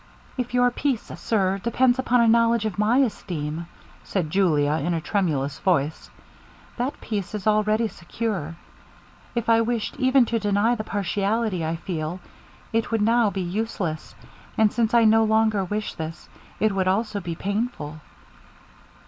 'If your peace, sir, depends upon a knowledge of my esteem,' said Julia, in a tremulous voice, 'that peace is already secure. If I wished even to deny the partiality I feel, it would now be useless; and since I no longer wish this, it would also be painful.'